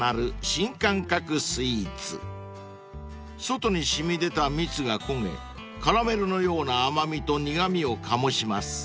［外に染み出た蜜が焦げカラメルのような甘味と苦味を醸します］